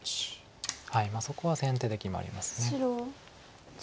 そこは先手で決まります。